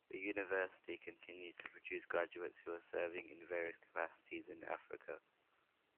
The university continues to produce graduates who are serving in various capacities in Africa.